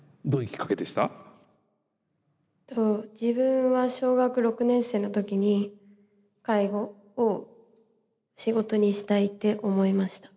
えっと自分は小学６年生の時に介護を仕事にしたいって思いました。